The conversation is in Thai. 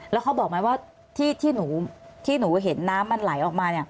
แล้วเขาบอกไหมว่าที่หนูเห็นน้ำมันไหลออกมา